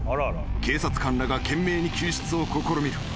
［警察官らが懸命に救出を試みる］